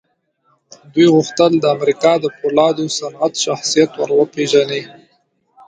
دوی غوښتل د امريکا د پولادو صنعت شخصيت ور وپېژني.